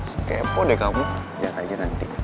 skepo deh kamu lihat aja nanti